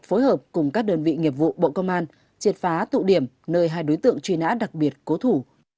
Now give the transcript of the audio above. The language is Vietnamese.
phối hợp cùng các đơn vị nghiệp vụ bộ công an triệt phá tụ điểm nơi hai đối tượng truy nã đặc biệt cố thủ